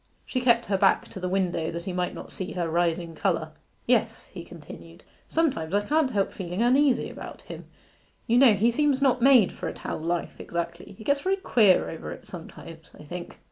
She kept her back to the window that he might not see her rising colour. 'Yes,' he continued, 'sometimes I can't help feeling uneasy about him. You know, he seems not made for a town life exactly: he gets very queer over it sometimes, I think.